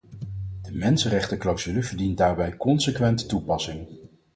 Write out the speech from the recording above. De mensenrechtenclausule verdient daarbij consequente toepassing.